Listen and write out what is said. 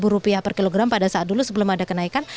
dua belas rupiah per kilogram pada saat dulu sebelum ada kenaikan